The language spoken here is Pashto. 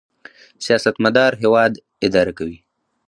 سیاستمدار هیواد اداره کوي